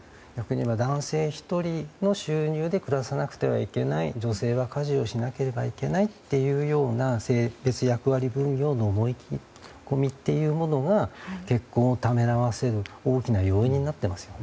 男性１人だけの収入で暮らさなくてはいけない女性は家事をしなければいけないというような性別役割分業の思い込みというものが結婚をためらわせる大きな要因になってますよね。